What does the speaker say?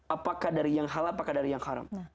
apakah dari yang halal apakah dari yang haram